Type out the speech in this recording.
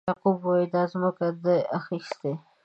یعقوب وایي دا ځمکه ده اخیستې.